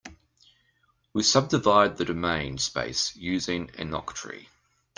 We subdivide the domain space using an octree.